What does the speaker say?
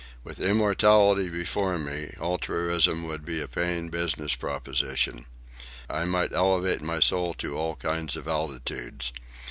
With immortality before me, altruism would be a paying business proposition. I might elevate my soul to all kinds of altitudes.